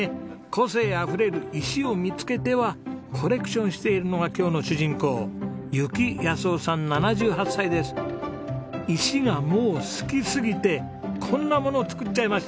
個性あふれる石を見つけてはコレクションしているのが今日の主人公石がもう好きすぎてこんなものを作っちゃいました。